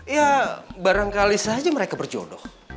ya barangkali saja mereka berjodoh